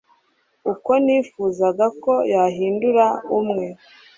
uko nifuzaga ko yahindura umwe